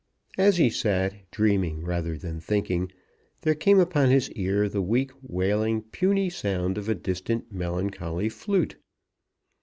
As he sat, dreaming rather than thinking, there came upon his ear the weak, wailing, puny sound of a distant melancholy flute.